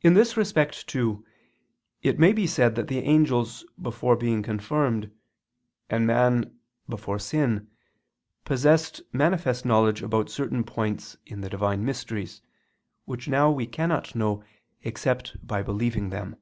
In this respect, too, it may be said that the angels before being confirmed, and man, before sin, possessed manifest knowledge about certain points in the Divine mysteries, which now we cannot know except by believing them.